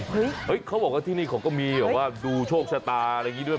เห้ยเขาบอกว่าที่นี้คงเขาก็มีดูโชคชะตาอะไรอย่างนี้ด้วยเหมือนกัน